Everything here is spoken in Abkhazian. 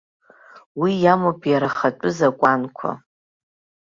Уи иамоуп иара ахатәы закәанқәа.